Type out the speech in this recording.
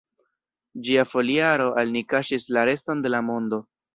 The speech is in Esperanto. Ĝia foliaro al ni kaŝis la reston de la mondo.